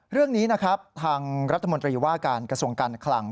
เรื่องนี้นะครับทางรัฐมนตรีว่าการกระทรวงการคลัง